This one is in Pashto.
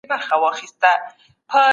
خوابدي سول